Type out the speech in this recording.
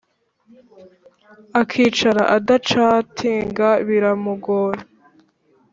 akicara adacatinga biramugora